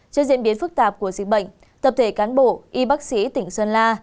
trước diễn biến phức tạp của dịch bệnh tập thể cán bộ y bác sĩ tỉnh sơn la